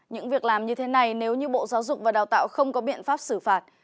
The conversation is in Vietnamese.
những việc làm như thế này nếu như bộ giáo dục và đào tạo không có biện pháp xử phạt